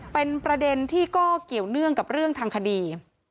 เป็นประเด็นที่ก็เกี่ยวเนื่องกับเรื่องทางคดี